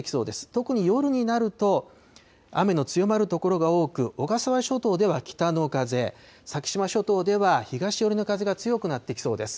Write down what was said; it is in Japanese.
特に夜になると、雨の強まる所が多く、小笠原諸島では北の風、先島諸島では東寄りの風が強くなっていきそうです。